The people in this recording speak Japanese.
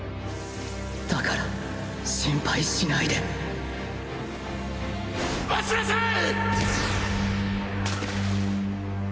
だから心配しないで待ちなさい！